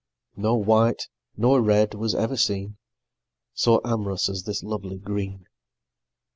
No white nor red was ever seen So am'rous as this lovely green.